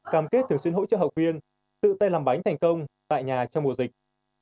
cam kết thường xuyên hỗ trợ học viên tự tay làm bánh thành công tại nhà trong mùa dịch